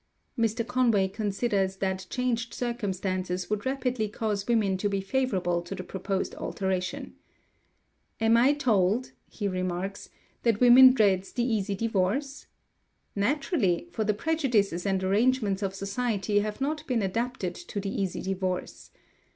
Mr. Conway considers that changed circumstances would rapidly cause women to be favourable to the proposed alteration: "Am I told," he remarks, "that woman dreads the easy divorce? Naturally, for the prejudices and arrangements of society have not been adapted to the easy divorce.